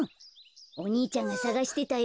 お兄ちゃんがさがしてたよ。